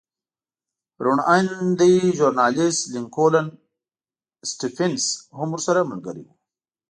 روڼ اندی ژورنالېست لینکولن سټېفنس هم ورسره ملګری و